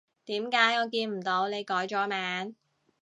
點解我見唔到你改咗名？